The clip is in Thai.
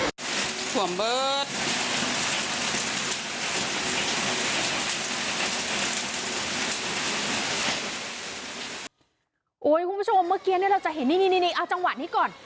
โอ้ยคุณผู้ชมเมื่อกี้เนี้ยเราจะเห็นนี่นี่นี่เอาจังหวะนี้ก่อน